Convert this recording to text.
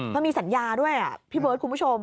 มันมีสัญญาด้วยพี่เบิร์ดคุณผู้ชม